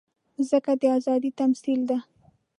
مځکه د ازادۍ تمثیل ده.